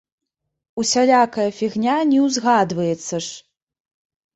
Усялякая фігня не ўзгадваецца ж!